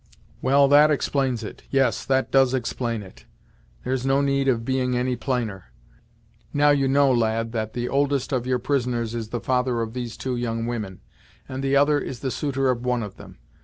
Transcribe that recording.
"Well that explains it yes, that does explain it. There's no need of being any plainer. Now you know, lad, that the oldest of your prisoners is the father of these two young women, and the other is the suitor of one of them.